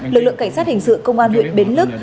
lực lượng cảnh sát hình sự công an huyện bến lức